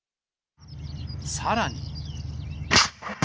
さらに。